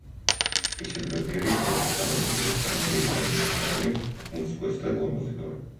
მიშელ ბერგერი იყო მეტად წარმატებული ფრანგი ებრაელი მომღერალი, პოპ მუსიკოსი და კომპოზიტორი.